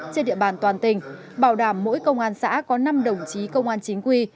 trên địa bàn toàn tỉnh bảo đảm mỗi công an xã có năm đồng chí công an chính quy